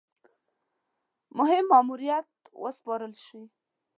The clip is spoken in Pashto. مهم ماموریت وسپارل شي.